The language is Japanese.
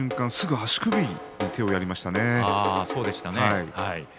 足首に手をやりましたね。